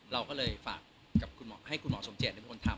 เราก็เลยฝากให้คุณหมอสมเจตเป็นคนทำ